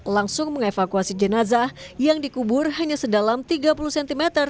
langsung mengevakuasi jenazah yang dikubur hanya sedalam tiga puluh cm